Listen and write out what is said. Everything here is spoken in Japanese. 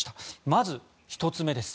まず、１つ目です。